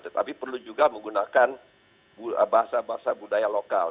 tetapi perlu juga menggunakan bahasa bahasa budaya lokal